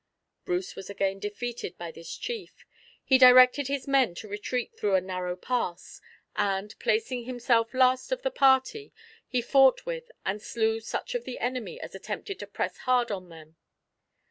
Bruce was again defeated by this chief. He directed his men to retreat through a narrow pass, and, placing himself last of the party, he fought with and slew such of the enemy as attempted to press hard on them.